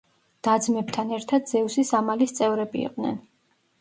და-ძმებთან ერთად ზევსის ამალის წევრები იყვნენ.